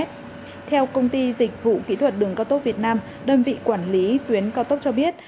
theo công ty dịch vụ kỹ thuật đường cao tốc việt nam đơn vị quản lý tuyến cao tốc cho biết